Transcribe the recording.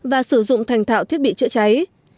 và sử dụng thành thạo thiết bị chữa cháy